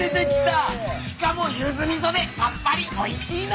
しかもゆず味噌でさっぱりおいしいの。